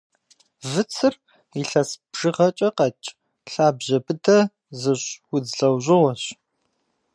Выцыр илъэс бжыгъэкӏэ къэкӏ, лъабжьэ быдэ зыщӏ удз лӏэужьыгъуэщ.